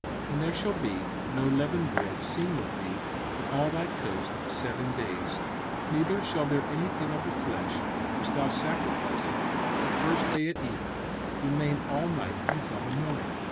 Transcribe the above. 05:016:004 And there shall be no leavened bread seen with thee in all thy coast seven days; neither shall there any thing of the flesh, which thou sacrificedst the first day at even, remain all night until the morning.